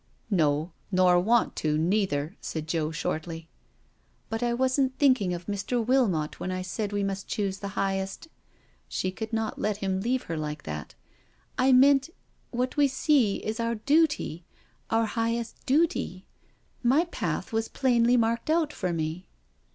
" No, nor want to neither," said Joe shortly. " But I wasn't thinking of Mr. Wilmot when I said we must choose the highest "— she could not let him leave her like that —" I meant what we see is our duty — our highest duty. My path was plainly marked out for me."